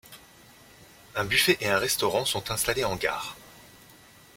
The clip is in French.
Un buffet et un restaurant sont installés en gare.